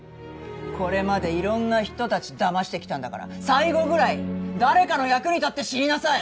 これまでいろんな人たちだましてきたんだから最後ぐらい誰かの役に立って死になさい。